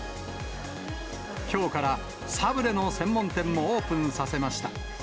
きょうからサブレの専門店もオープンさせました。